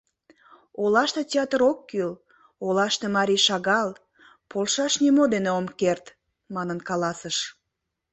«Олаште театр ок кӱл, олаште марий шагал, полшаш нимо дене ом керт», — манын каласыш.